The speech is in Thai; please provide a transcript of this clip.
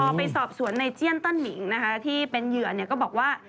พอไปสอบสวนในเจียนเติ้ลหมิงนะคะที่เป็นเหยื่อก็บอกว่า